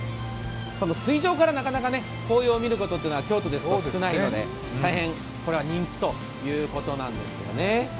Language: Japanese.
水上からなかなか紅葉を見ることは京都ですと少ないですので大変人気ということなんですよね。